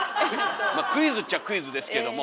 クイズっちゃクイズですけども。